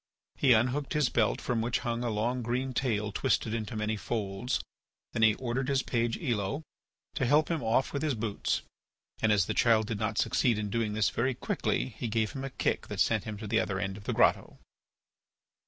He unhooked his belt from which hung a long green tail twisted into many folds. Then he ordered his page, Elo, to help him off with his boots and, as the child did not succeed in doing this very quickly, he gave him a kick that sent him to the other end of the grotto.